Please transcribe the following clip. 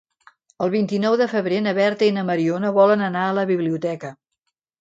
El vint-i-nou de febrer na Berta i na Mariona volen anar a la biblioteca.